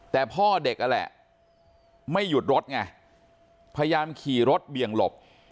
แต่พ่อเด็กนั่นแหละไม่หยุดรถไงพยายามขี่รถเบี่ยงหลบ